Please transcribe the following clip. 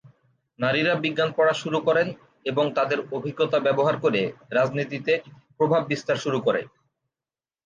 নারীরা বিজ্ঞান পড়া শুরু করেন এবং তাদের অভিজ্ঞতা ব্যবহার করে রাজনীতিতে প্রভাব বিস্তার শুরু করে।